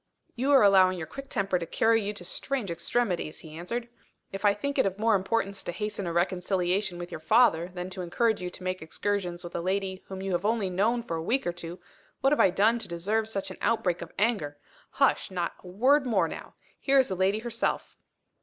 "You are allowing your quick temper to carry you to strange extremities," he answered. "If I think it of more importance to hasten a reconciliation with your father than to encourage you to make excursions with a lady whom you have only known for a week or two, what have I done to deserve such an outbreak of anger? Hush! Not a word more now! Here is the lady herself."